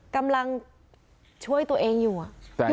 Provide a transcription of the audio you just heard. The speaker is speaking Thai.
กำลังช่วยตัวเองอยู่อะ